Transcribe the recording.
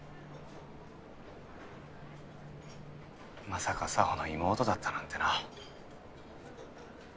まさか沙帆の妹だったなんてな。